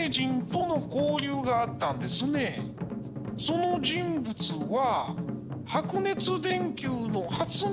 その人物は。